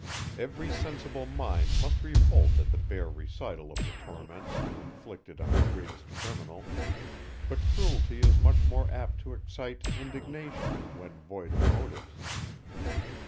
Every sensible mind must revolt at the bare recital of the torments, inflicted on the greatest criminal; but cruelty is much more apt to excite indignation, when void of motives.